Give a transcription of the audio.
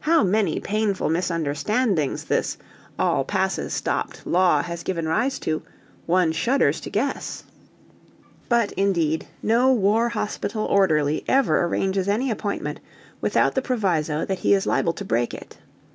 How many painful misunderstandings this "All passes stopped" law has given rise to, one shudders to guess. But indeed no war hospital orderly ever arranges any appointment without the proviso that he is liable to break it.